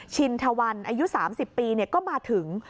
ชินทวันอายุ๓๐ปีก็มาถึง